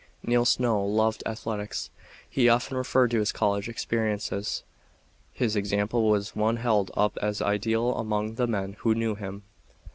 Neil Snow loved athletics. He often referred to his college experiences. His example was one held up as ideal among the men who knew him.